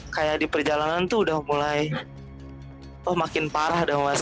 kayak di perjalanan tuh udah mulai makin parah dong mas